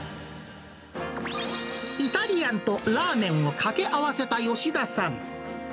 イタリアンとラーメンを掛け合わせた吉田さん。